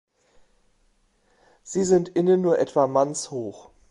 Sie sind innen nur etwa mannshoch.